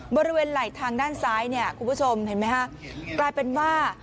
บริเวณไหล่ทางด้านซ้ายเนี่ยคุณผู้ชมเห็นไหมฮะกลายเป็นว่า